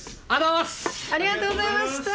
ありがとうございます。